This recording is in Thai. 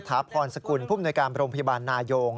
เอกสถาปนสกุลผู้บุญการโรงพยาบาลนายง